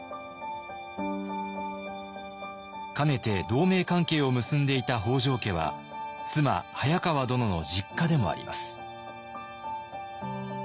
かねて同盟関係を結んでいた北条家は妻早川殿の実家でもあります。